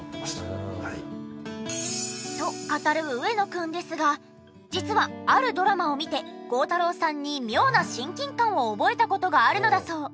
と語る上野くんですが実はあるドラマを見て孝太郎さんに妙な親近感を覚えた事があるのだそう。